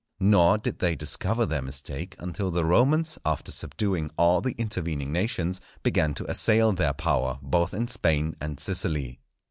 Nor did they discover their mistake until the Romans, after subduing all the intervening nations, began to assail their power both in Spain and Sicily.